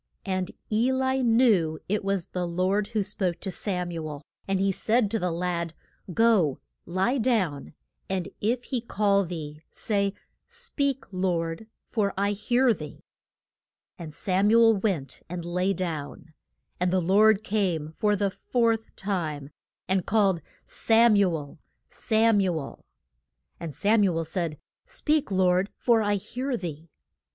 And E li knew it was the Lord who spoke to Sam u el. And he said to the lad, Go, lie down, and if he call thee, say, Speak, Lord, for I hear thee. And Sam u el went and lay down. And the Lord came for the fourth time, and called, Sam u el Sam u el! And Sam u el said, Speak, Lord, for I hear thee.